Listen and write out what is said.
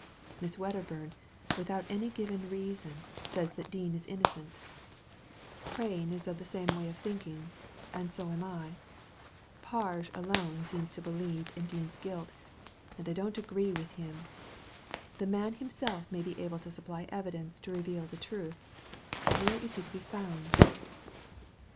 Miss Wedderburn, without any given reason, says that Dean is innocent Prain 119 Digitized by Google 120 THE LADY FROM NOWHERE is of the same way of thinking, and so am I. Parg^e alone seems to believe in Dean's guilty and I don't agree with him. The man himself may be able to supply evidence to reveal the truth ; but where is he to be found